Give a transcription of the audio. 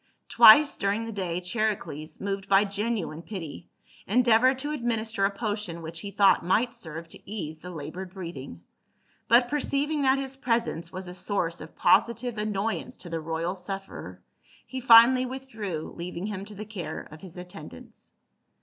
Twice during the day Charicles, moved by genuine pity, endeavored to administer a potion which he thought might serve to ease the labored breathing, but perceiving that his presence was a source of positive annoyance to the royal sufferer, he finally withdrew, leaving him to the care of his attendants.